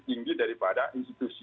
tinggi daripada institusi